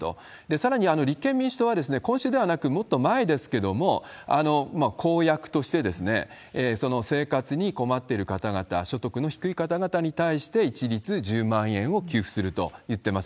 さらに立憲民主党は、今週ではなくもっと前ですけれども、公約として、その生活に困っている方々、所得の低い方々に対して、一律１０万円を給付するといってます。